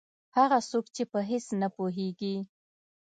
هغه څوک چې په هېڅ نه پوهېږي.